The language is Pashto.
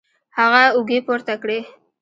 هغه اوږې پورته کړې